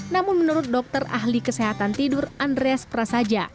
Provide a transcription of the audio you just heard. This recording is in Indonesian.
namun menurut dokter ahli kesehatan tidur andreas prasaja